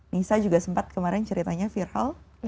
nisa juga sempat kemarin ceritanya viral